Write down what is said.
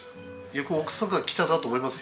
よく奥さんが来たなと思いますよ。